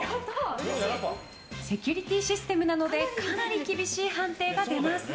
セキュリティーシステムなのでかなり厳しい判定が出ます。